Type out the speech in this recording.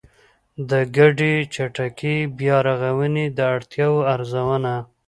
د ګډې چټکې بيا رغونې د اړتیاوو ارزونه